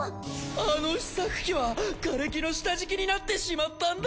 あの試作機はがれきの下敷きになってしまったんだ！